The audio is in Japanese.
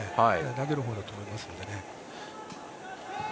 投げる方だと思いますので。